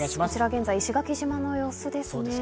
現在、石垣島の様子ですね。